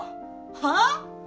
はあ？